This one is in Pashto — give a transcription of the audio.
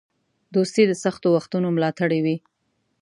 دوستي د سختو وختونو ملاتړی وي.